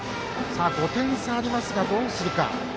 ５点差ありますがどうするか。